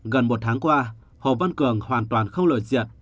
gần một tháng qua hồ văn cường hoàn toàn không lời diệt